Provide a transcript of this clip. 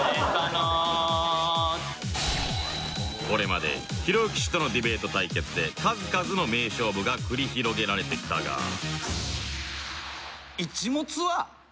これまでひろゆき氏とのディベート対決で数々の名勝負が繰り広げられてきたが